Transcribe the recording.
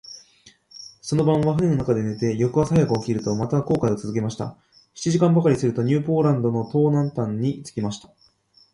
その晩は舟の中で寝て、翌朝早く起きると、また航海をつづけました。七時間ばかりすると、ニューポランドの東南端に着きました。